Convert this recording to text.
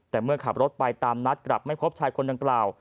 แต่เมื่อขับรถไปตามนัดกลับไม่พบชายคนดังกล่าว